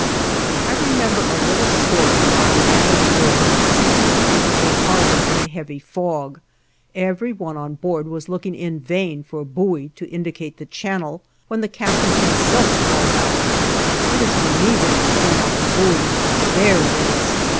I remember a little story about a man of war seeking to enter a harbor in a heavy fog; every one on board was looking in vain for a buoy to indicate the channel when the captain himself called out, "It is for me then to point out the buoy; there it is!"